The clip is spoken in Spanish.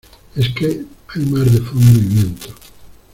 es que hay mar de fondo y viento.